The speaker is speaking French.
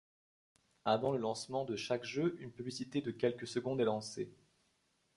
Avant le lancement de chaque jeu, une publicité de quelques secondes est lancée.